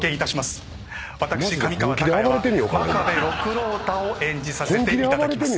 私上川隆也は真壁六郎太を演じさせていただきます。